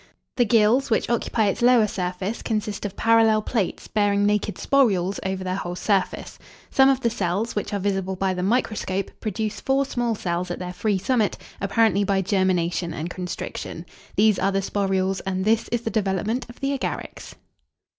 The gills, which occupy its lower surface, consist of parallel plates, bearing naked sporules over their whole surface. Some of the cells, which are visible by the microscope, produce four small cells at their free summit, apparently by germination and constriction. These are the sporules, and this is the development of the Agarics.